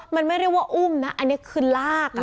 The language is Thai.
มันไม่เรียกว่าอุ้มนะอันนี้คือลากนะ